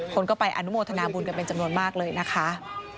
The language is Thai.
คนก็ไปอนุโมทนาบุญกันเป็นจำนวนมากเลยนะคะ